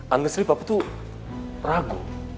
angga sri papa tuh ragu